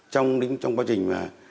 trong quá trình